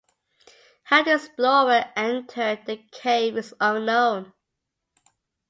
How this explorer entered the cave is unknown.